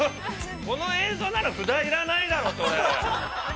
この映像なら、札、要らないだろう。